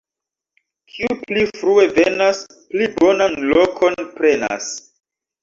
Kiu pli frue venas, pli bonan lokon prenas.